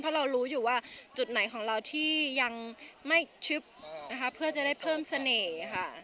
เพราะเรารู้อยู่ว่าจุดไหนของเราที่ยังไม่ชึบนะคะเพื่อจะได้เพิ่มเสน่ห์ค่ะ